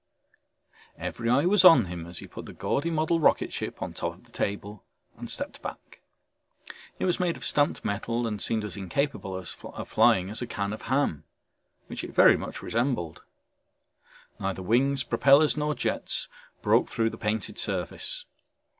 Every eye was on him as he put the gaudy model rocketship on top of the table and stepped back. It was made of stamped metal and seemed as incapable of flying as a can of ham which it very much resembled. Neither wings, propellors, nor jets broke through the painted surface.